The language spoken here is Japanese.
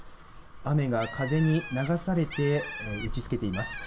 雨が風に流されて打ちつけています。